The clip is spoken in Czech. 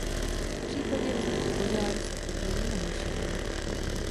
V případě vzniku požáru se podílí na hašení.